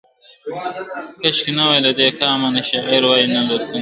کشکي نه وای له دې قامه نه شاعر وای نه لوستونکی ..